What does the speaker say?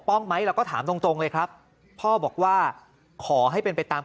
ป้องไหมแล้วก็ถามตรงเลยครับพ่อบอกว่าขอให้เป็นไปตาม